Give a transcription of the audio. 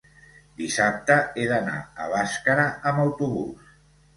dissabte he d'anar a Bàscara amb autobús.